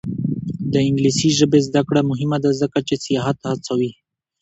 د انګلیسي ژبې زده کړه مهمه ده ځکه چې سیاحت هڅوي.